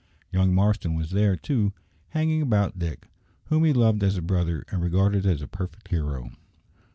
Young Marston was there, too, hanging about Dick, whom he loved as a brother and regarded as a perfect hero.